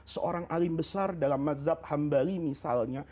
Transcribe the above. seorang alim besar dalam madhab hambali misalnya